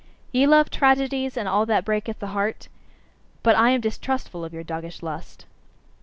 Ye love tragedies and all that breaketh the heart? But I am distrustful of your doggish lust.